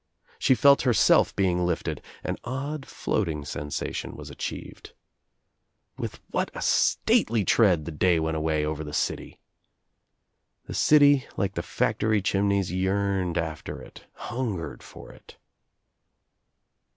Shc Jj felt herself being lifted, an odd floating sensation was'o^ achieved. With what a stately tread the day went away, over the city! The city, like the factory chim neys yearned after it, hungered for it.